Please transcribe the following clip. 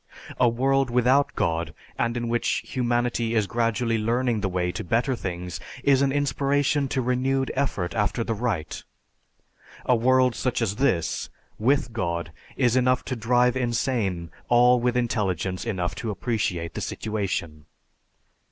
A world without God, and in which humanity is gradually learning the way to better things, is an inspiration to renewed effort after the right. A world such as this, with God, is enough to drive insane all with intelligence enough to appreciate the situation."